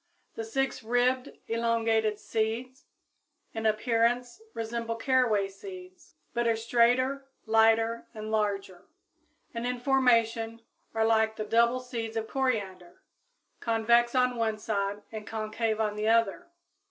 The six ribbed, elongated "seeds" in appearance resemble caraway seeds, but are straighter, lighter and larger, and in formation are like the double seeds of coriander, convex on one side and concave on the other.